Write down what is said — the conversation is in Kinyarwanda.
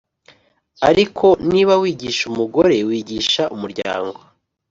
ariko niba wigisha umugore wigisha umuryango